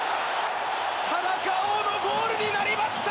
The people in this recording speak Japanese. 田中碧のゴールになりました！